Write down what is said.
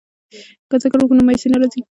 که ذکر وکړو نو مایوسي نه راځي.